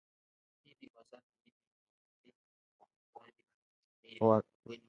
Kwa wakati huo, Aisha alikuwa analia kwa uchungu huku akimwelezea Juma kilichokuwa kikiendelea